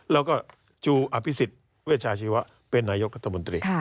แล้วก็จูอภิษฎเวชาชีวะเป็นนายกรัฐมนตรี